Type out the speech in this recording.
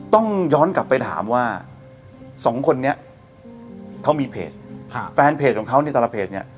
ต้องย้อนกลับไปถามว่าสองคนนี้เขามีเพจแฟนเพจของเขาในแต่ละเพจเนี่ย